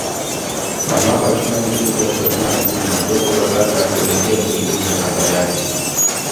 Mamako alifanya subira kwa juma zima japo babake hakuelekea kulegeza kamba yake